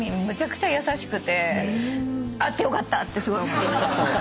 めちゃくちゃ優しくて会ってよかったって。